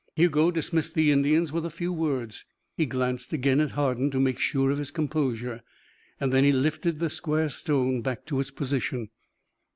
Hugo dismissed the Indians with a few words. He glanced again at Hardin to make sure of his composure. Then he lifted the square stone back to its position.